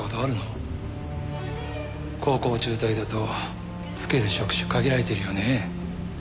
高校中退だと就ける職種限られてるよねえ。